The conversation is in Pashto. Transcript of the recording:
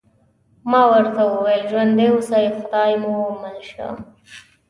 ما ورته وویل: ژوندي اوسئ، خدای مو مل شه.